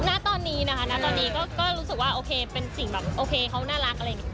ณตอนนี้นะคะณตอนนี้ก็รู้สึกว่าโอเคเป็นสิ่งแบบโอเคเขาน่ารักอะไรอย่างนี้